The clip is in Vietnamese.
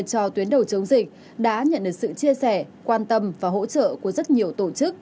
cho tuyến đầu chống dịch đã nhận được sự chia sẻ quan tâm và hỗ trợ của rất nhiều tổ chức